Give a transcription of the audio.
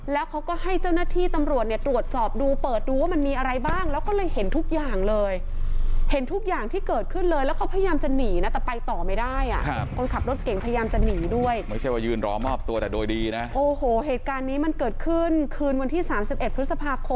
แล้วเขาก็ให้เจ้าหน้าที่ตำรวจเนี่ยตรวจสอบดูเปิดดูว่ามันมีอะไรบ้างแล้วก็เลยเห็นทุกอย่างเลยเห็นทุกอย่างที่เกิดขึ้นเลยแล้วเขาพยายามจะหนีนะแต่ไปต่อไม่ได้อ่ะ